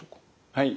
はい。